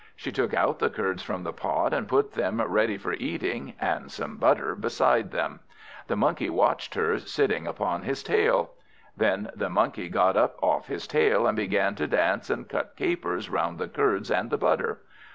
She took out the curds from the pot, and put them ready for eating, and some butter beside them. The Monkey watched her, sitting upon his tail. Then the Monkey got up off his tail, and began to dance and cut capers round the curds and the butter.